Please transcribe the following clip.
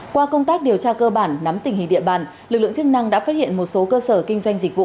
qua công tác điều tra cơ bản nắm tình hình địa bàn lực lượng chức năng đã phát hiện một số cơ sở kinh doanh dịch vụ